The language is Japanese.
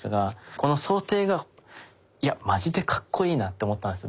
この装丁がいやマジでかっこいいなと思ったんですよ